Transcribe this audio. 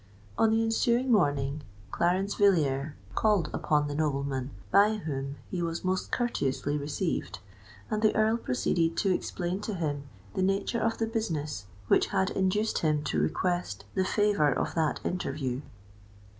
On the ensuing morning Clarence Villiers called upon the nobleman, by whom he was most courteously received; and the Earl proceeded to explain to him the nature of the business which had induced him to request the favour of that interview.